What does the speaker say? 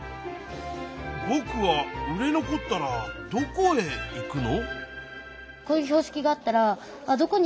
「ぼくは売れ残ったらどこへ行くの」。